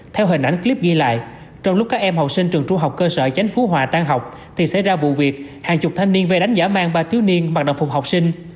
theo hình ảnh clip ghi lại trong lúc các em học sinh trường trung học cơ sở chánh phú hòa tan học thì xảy ra vụ việc hàng chục thanh niên vê đánh giả mang ba thiếu niên mặc đồng phục học sinh